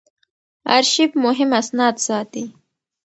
آرشیف مهم اسناد ساتي.